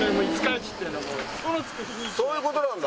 そういうことなんだ。